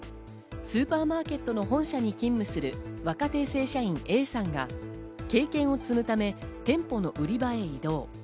スーパーマーケットの本社に勤務する若手正社員Ａさんが、経験を積むため、店舗の売り場へ移動。